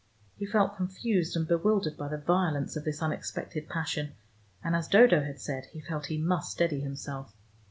He felt confused and bewildered by the violence of this unexpected passion, and, as Dodo had said, he felt he must steady himself.